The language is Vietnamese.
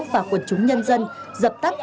và quần chúng nhân dân dập tắt